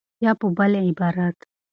یا په بل عبارت